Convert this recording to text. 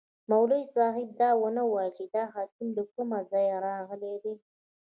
مولوي صاحب دا ونه ویل چي دا حکم له کومه ځایه راغلی دی.